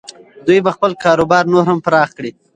دوی به خپل کاروبار نور هم پراخ کړي.